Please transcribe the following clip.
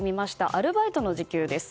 アルバイトの時給です。